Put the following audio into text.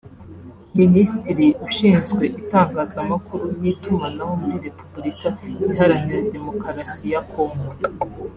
Minisitiri Ushinzwe itangazamakuru n’itumanaho muri Repubulika Iharanira Demokarasi ya Congo